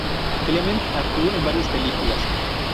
Clement actuó en varias películas.